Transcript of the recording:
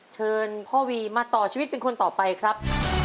เชิญพ่อวีมาต่อชีวิตเป็นคนต่อไปครับ